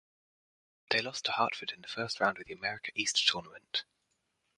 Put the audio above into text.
They lost to Hartford in the first round of the America East Tournament.